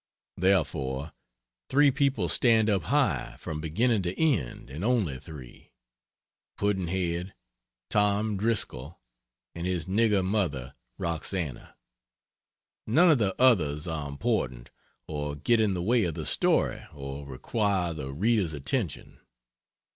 Therefore, 3 people stand up high, from beginning to end, and only 3 Pudd'nhead, "Tom" Driscoll, and his nigger mother, Roxana; none of the others are important, or get in the way of the story or require the reader's attention.